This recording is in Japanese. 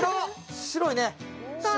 白いね。